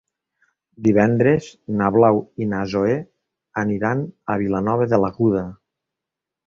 Divendres na Blau i na Zoè aniran a Vilanova de l'Aguda.